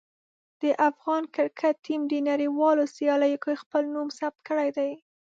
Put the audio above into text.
د افغان کرکټ ټیم د نړیوالو سیالیو کې خپل نوم ثبت کړی دی.